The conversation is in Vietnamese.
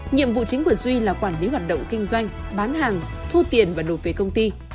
nhiệm vụ chính của duy là quản lý hoạt động kinh doanh bán hàng thu tiền và nộp về công ty